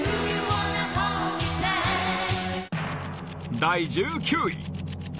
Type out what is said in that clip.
第１９位。